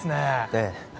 ええ